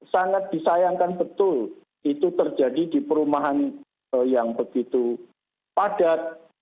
sangat disayangkan betul itu terjadi di perumahan yang begitu padat